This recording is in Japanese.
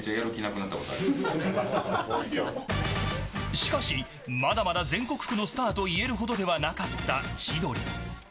しかし、まだまだ全国区のスターといえるほどではなかった千鳥。